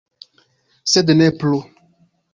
Sed ne plu.